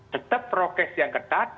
tetap progres yang ketat